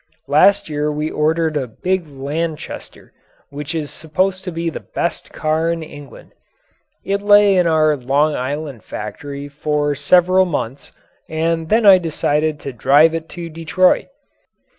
Last year we ordered a big Lanchester which is supposed to be the best car in England. It lay in our Long Island factory for several months and then I decided to drive it to Detroit.